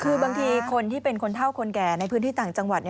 คือบางทีคนที่เป็นคนเท่าคนแก่ในพื้นที่ต่างจังหวัด